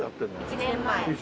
１年前。